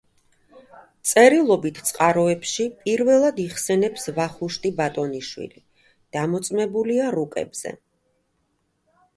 წერილობით წყაროებში პირველად იხსენიებს ვახუშტი ბატონიშვილი, დამოწმებულია რუკებზე.